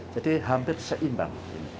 jadi hampir seimbang